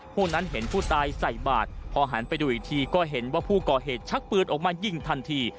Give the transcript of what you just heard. ผู้นั้นเห็นผู้ตายใส่บาทพอหันไปดูอีกทีก็เห็นว่าผู้ก่อเหตุชักปืนออกมายิงทันที